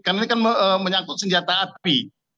karena ini kan menyangkut senjata api